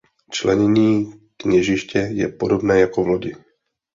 Členění kněžiště je podobné jako v lodi.